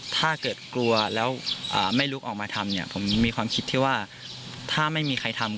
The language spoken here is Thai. ถ้าเกิดกลัวแล้วไม่ลุกออกมาทำเนี่ยผมมีความคิดที่ว่าถ้าไม่มีใครทำ